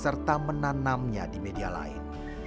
serta menanamnya di media lain